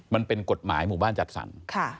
มันเป็นกฎหมายหมู่บ้านจัดสรร